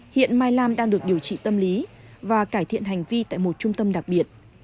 hiện mai lam đang được điều trị tâm lý và cải thiện hành vi tại một trung tâm đặc biệt